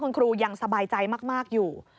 คุณครูยังสบายใจมากอยู่